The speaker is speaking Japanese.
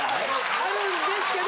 あるんですけど。